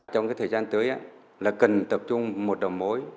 trong thời gian tới là cần tập trung một đầu mối